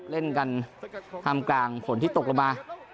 เล่นกันท่ามกลางฝนที่ตกลงมา